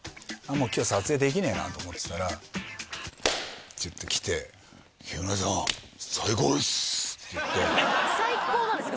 もう今日撮影できねえなと思ってたらっていって来て・最高なんですか？